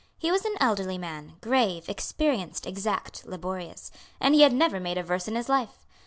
He was an elderly man, grave, experienced, exact, laborious; and he had never made a verse in his life.